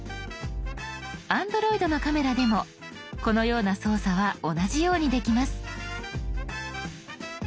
Ａｎｄｒｏｉｄのカメラでもこのような操作は同じようにできます。